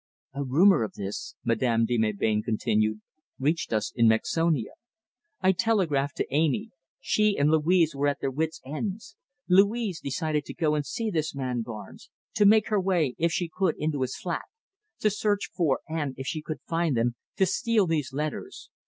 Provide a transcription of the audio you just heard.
"A rumour of this," Madame de Melbain continued, "reached us in Mexonia! I telegraphed to Amy! She and Louise were at their wits' ends. Louise decided to go and see this man Barnes, to make her way, if she could, into his flat, to search for and, if she could find them, to steal these letters.